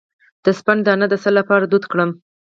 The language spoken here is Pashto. د سپند دانه د څه لپاره دود کړم؟